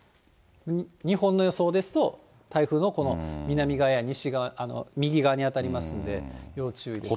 日本の予想ですと、台風のこの南側や西側、右側に当たりますので、要注意ですね。